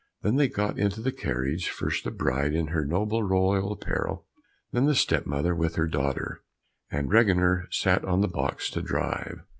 Then they got into the carriage, first the bride in her noble royal apparel, then the step mother with her daughter, and Reginer sat on the box to drive.